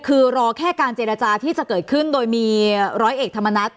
คือรอแค่การเจรจาที่จะเกิดขึ้นโดยมีร้อยเอกธรรมนัฐ